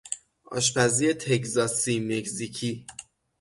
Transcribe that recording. آشپزی تگزاسی - مکزیکی